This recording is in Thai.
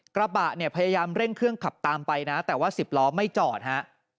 กระบะเนี่ยพยายามเร่งเครื่องขับตามไปนะแต่ว่า๑๐ล้อไม่จอดฮะ